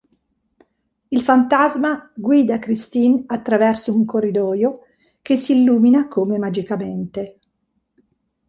Il Fantasma guida Christine attraverso un corridoio che si illumina come magicamente.